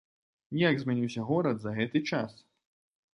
Як змяніўся горад за гэты час?